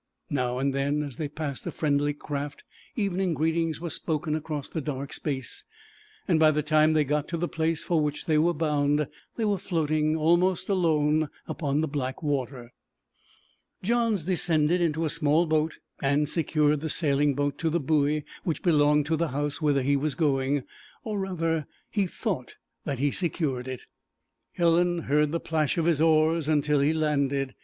Now and then, as they passed a friendly craft, evening greetings were spoken across the dark space. By the time they got to the place for which they were bound they were floating almost alone upon the black water. Johns descended into a small boat and secured the sailing boat to the buoy which belonged to the house whither he was going, or rather, he thought that he secured it. Helen heard the plash of his oars until he landed.